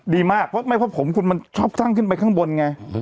ดีมากเพราะไม่เพราะผมผมชอบขึ้นไปข้างบนไง